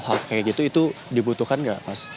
hal kayak gitu itu dibutuhkan nggak mas